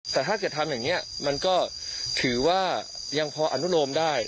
แต่ถ้าเกิดทำอย่างนี้มันก็ถือว่ายังพออนุโลมได้